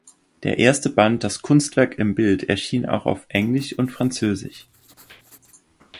Der erste Band "Das Kunstwerk im Bild" erschien auch auf Englisch und Französisch.